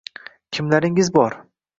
Kimlaringiz bor